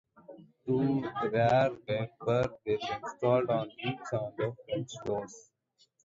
Two rear wipers were installed on each of the French doors.